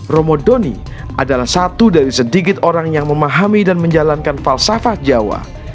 romo doni adalah satu dari sedikit orang yang memahami dan menjalankan falsafah jawa